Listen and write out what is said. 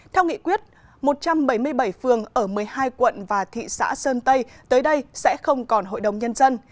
theo nghị quyết một trăm bảy mươi bảy phường ở một mươi hai quận và thị xã sơn tây tới đây sẽ không còn hội đồng nhân dân